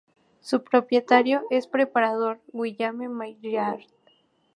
Su propietario es el preparador Guillaume Maillard.